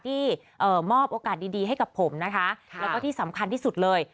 มอบโอกาสดีให้กับผมนะคะแล้วก็ที่สำคัญที่สุดเลย